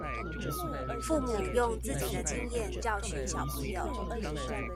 父母用自己的經驗教訓小朋友